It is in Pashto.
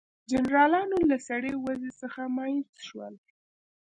جنرالانو له سړې وضع څخه مایوس شول.